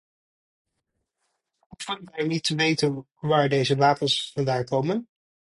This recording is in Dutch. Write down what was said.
Hoeven wij niet te weten waar deze wapens vandaan komen?